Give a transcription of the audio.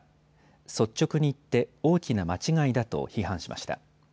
率直に言って、大きな間違いだと批判しました。